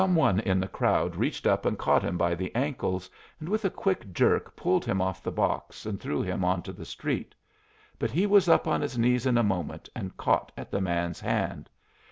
Some one in the crowd reached up and caught him by the ankles, and with a quick jerk pulled him off the box, and threw him on to the street. But he was up on his knees in a moment, and caught at the man's hand.